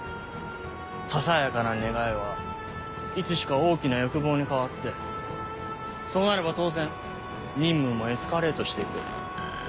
ささやかな願いはいつしか大きな欲望に変わってそうなれば当然任務もエスカレートしていく。